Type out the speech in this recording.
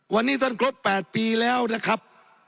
วันนี้ท่านครบ๘ปีแล้วนะครับ